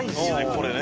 これね。